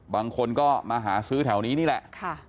บางคนก็มาหาซื้อแถวนี้นี่แหละ